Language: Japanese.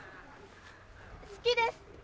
好きです！